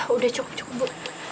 udah cukup cukup bu